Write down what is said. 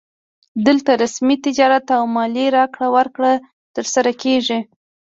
دلته رسمي تجارت او مالي راکړه ورکړه ترسره کیږي